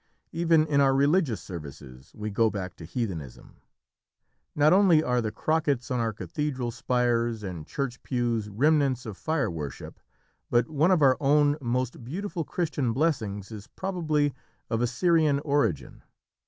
Even in our religious services we go back to heathenism. Not only are the crockets on our cathedral spires and church pews remnants of fire worship, but one of our own most beautiful Christian blessings is probably of Assyrian origin.